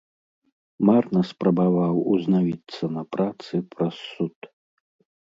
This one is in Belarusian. Марна спрабаваў узнавіцца на працы праз суд.